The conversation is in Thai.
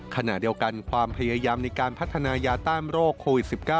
ขณะเดียวกันความพยายามในการพัฒนายาต้านโรคโควิด๑๙